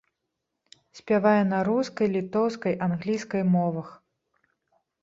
Спявае на рускай, літоўскай, англійскай мовах.